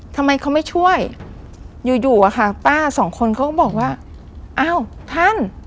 ทำไมเขาไม่ช่วยอยู่อยู่อะค่ะป้าสองคนเขาก็บอกว่าอ้าวท่าน